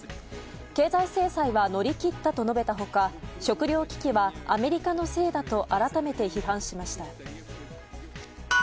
経済制裁は乗り切ったと述べた他食糧危機はアメリカのせいだと改めて批判しました。